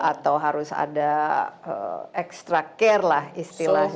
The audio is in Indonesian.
atau harus ada extra care lah istilahnya